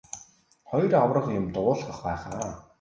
Хоёр аварга юм дуулгах байх аа.